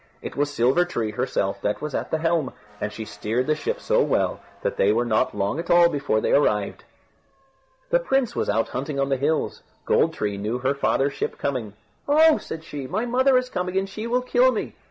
It was Silver tree herself that was at the helm, and she steered the ship so well that they were not long at all before they arrived. The prince was out hunting on the hills. Gold tree knew her father's ship coming. "Oh!" said she, "my mother is coming, and she will kill me."